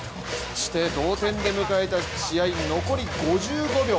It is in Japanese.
そして同点で迎えた試合、残り５５秒。